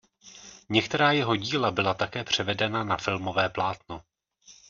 Některá jeho díla byla také převedena na filmové plátno.